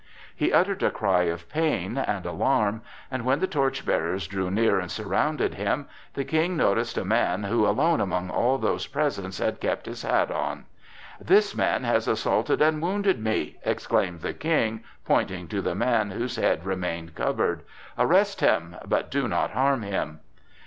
He uttered a cry of pain and alarm, and when the torch bearers drew near and surrounded him, the King noticed a man who alone among all those present had kept his hat on. "This man has assaulted and wounded me!" exclaimed the King, pointing to the man whose head remained covered. "Arrest him, but do not harm him!"